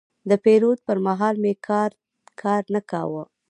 د پیرود پر مهال مې کارت کار نه کاوه.